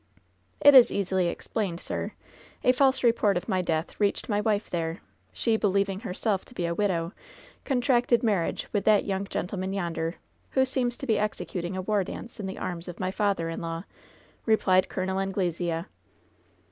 '* "It is easily explained, sir. 'K false report of my death reached my wife there. She, believing herself to be a widow, contracted marriage with that young gentle man yonder, who seems to be executing a war dance in the arms of my father in law !'* replied Col. Anglesea.